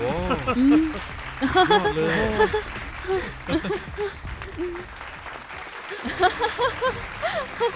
ห้าค่ะ